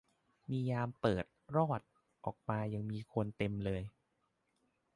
มียามเปิด รอด ออกมาคนยังเต็มเลย